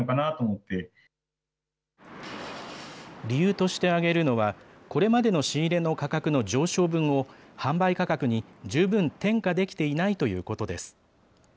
理由として挙げるのは、これまでの仕入れの価格の上昇分を、販売価格に十分転嫁できていないということです。